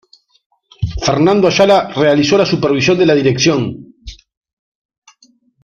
Fernando Ayala realizó la supervisión de la dirección.